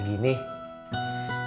hari ini abang dapet segini